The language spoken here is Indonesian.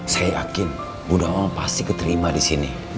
saya yakin bu nawang pasti keterima di sini